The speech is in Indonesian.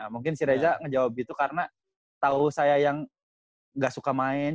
mungkin si reza ngejawab gitu karena tau saya yang gak suka main